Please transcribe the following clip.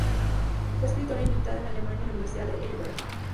Fue escritora invitada en Alemania en la Universidad de Heidelberg.